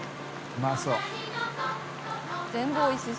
うまそう。